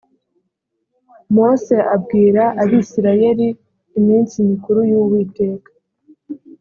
mose abwira abisirayeli iminsi mikuru y uwiteka